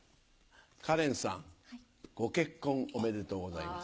カレンさんご結婚おめでとうございます。